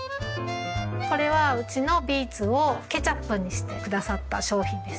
これはうちのビーツをケチャップにしてくださった商品です。